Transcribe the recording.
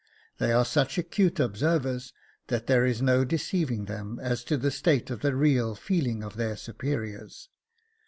They are such acute observers that there is no deceiving them as to the state of the real feeling of their superiors.